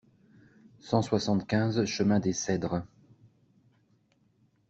cent soixante-quinze chemin des Cedres